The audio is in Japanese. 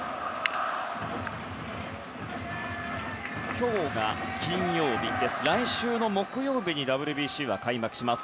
今日が金曜日で来週の木曜日にＷＢＣは開幕します。